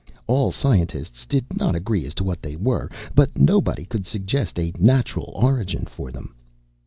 All scientists did not agree as to what they were, but nobody could suggest a natural origin for them.